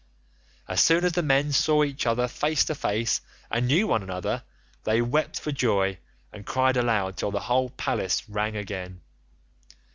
As soon as the men saw each other face to face and knew one another, they wept for joy and cried aloud till the whole palace rang again.